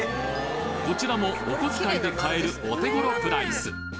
こちらもお小遣いで買えるお手頃プライス